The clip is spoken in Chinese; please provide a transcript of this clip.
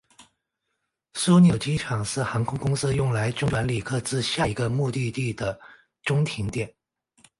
枢纽机场是航空公司用来中转旅客至下一个目的地的中停点。